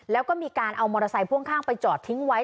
แล้วก็มีการเอามอเตอร์ไซค์พ่วงข้างไปจอดทิ้งไว้